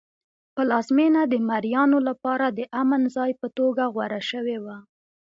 پلازمېنه د مریانو لپاره د امن ځای په توګه غوره شوی و.